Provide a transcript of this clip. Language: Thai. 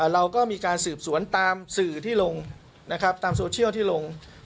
เราก็มีการสืบสวนตามสื่อที่ลงนะครับตามโซเชียลที่ลง